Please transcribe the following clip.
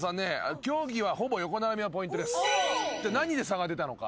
何で差が出たのか。